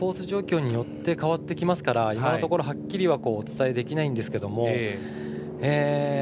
状況によって変わってきますから今のところ、はっきりはお伝えできないんですけれども。